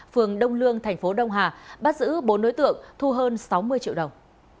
phường đông lương tp đông hà bắt giữ bốn đối tượng thu hơn sáu mươi triệu đồng